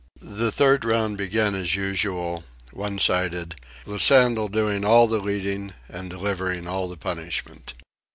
The third round began as usual, one sided, with Sandel doing all the leading, and delivering all the punishment.